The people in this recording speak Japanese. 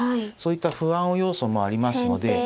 そういった不安要素もありますので。